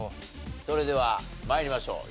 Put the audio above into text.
それでは参りましょう。